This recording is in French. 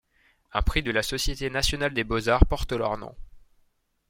Un prix de la Société nationale des beaux-arts porte leur nom.